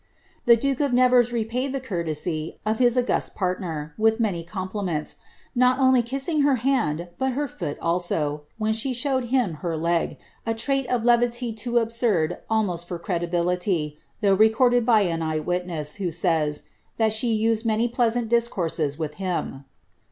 The duke of Nevers repaid the courtesy of his august partner, with many compliments, not only kissing her hand, but her foot also, when she showed him her leg, a trait of levity too absurd almost for credi* biHty, though recorded by an eye witness, who says, that she used many pleasant discourses with him.